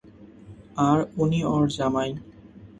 আর উনি ওর জামাই।